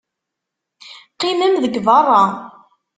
Qqimem deg beṛṛa!